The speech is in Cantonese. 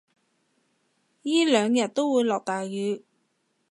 依兩日都會落大雨